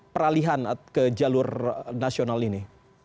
peralihan ke jalur nasional ini